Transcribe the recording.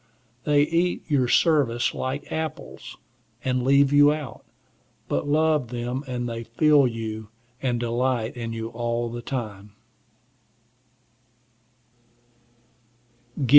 They eat your service like apples, and leave you out. But love them, and they feel you, and delight in you all the time.